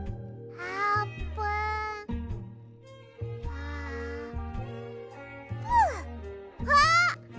あーぷんっ！あっ！